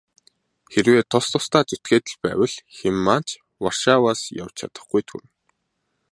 Хэрвээ тус тусдаа зүтгээд л байвал хэн маань ч Варшаваас явж чадахгүйд хүрнэ.